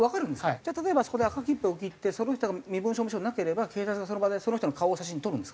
じゃあ例えばそこで赤切符を切ってその人が身分証明書がなければ警察がその場でその人の顔を写真に撮るんですか？